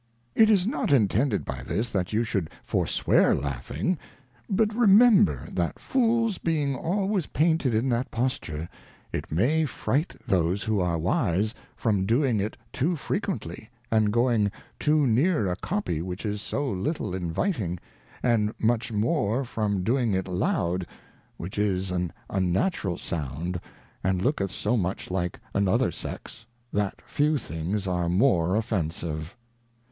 It is not intended by this, that you should forewear Laughing ; but remember, that Fools being always painted in that posture, it may fright those who are wise from doing it too frequently, and going too near a Copy which is so little inviting, and much more from doing it loudj which is an unnatural Sound and loqketh so much like another Sex, that few things are more offensive.